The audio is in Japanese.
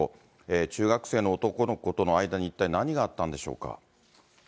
中学生の男の子との間に一体何があったんでしょうか。